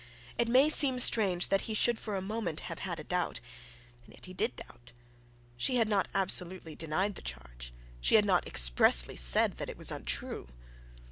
It may seem strange that he should for a moment have had a doubt; and yet he did doubt. She had not absolutely denied the charge; she had not expressly said that it was untrue.